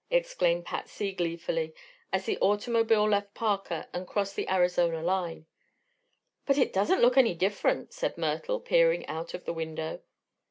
exclaimed Patsy gleefully, as the automobile left Parker and crossed the Arizona line. "But it doesn't look any different," said Myrtle, peering out of the window.